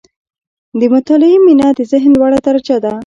• د مطالعې مینه، د ذهن لوړه درجه ده.